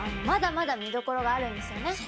まだまだ見どころがあるんですよね。